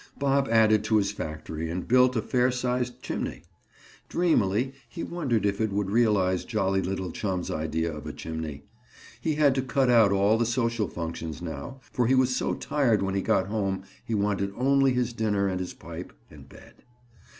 Bob added to his factory and built a fair sized chimney. Dreamily he wondered if it would realize jolly little chum's idea of a chimney. He had to cut out all the social functions now for he was so tired when he got home he wanted only his dinner and his pipe and bed.